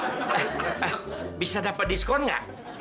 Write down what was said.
eh eh bisa dapat diskon nggak